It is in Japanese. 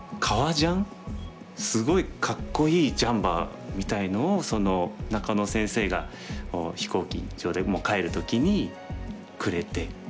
すごいかっこいいジャンパーみたいのを中野先生が飛行機場で帰る時にくれて。